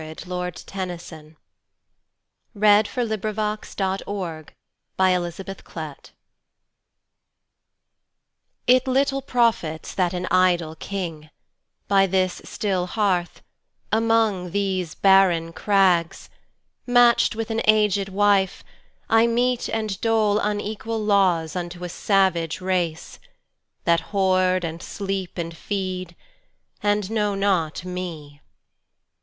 1895. Alfred Tennyson, 1st Baron 1809–92 Ulysses Tennyson IT little profits that an idle king, By this still hearth, among these barren crags, Match'd with an aged wife, I mete and doleUnequal laws unto a savage race, That hoard, and sleep, and feed, and know not me.